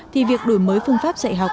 thì việc đổi mới phương pháp dạy học